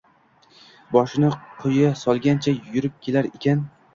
Boshini quyi solgancha yurib ketar ekan.